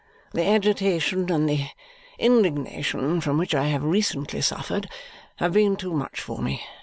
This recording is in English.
The agitation and the indignation from which I have recently suffered have been too much for me.